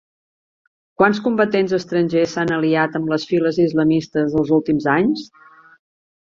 Quants combatents estrangers s'han aliat amb les files islamistes els últims anys?